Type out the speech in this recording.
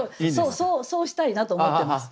そうしたいなと思ってます。